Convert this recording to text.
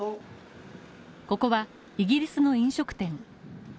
ここはイギリスの飲食店。